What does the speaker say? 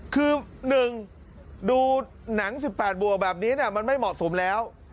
คือหนึ่งดูหนังสิบแปดบัวแบบนี้มันไม่เหมาะสมแล้ว